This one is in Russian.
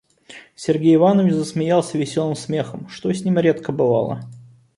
Сергей Иванович засмеялся веселым смехом, что с ним редко бывало.